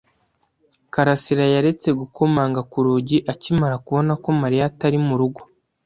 karasira yaretse gukomanga ku rugi akimara kubona ko Mariya atari mu rugo.